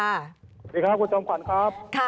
สวัสดีครับคุณจอมขวัญครับ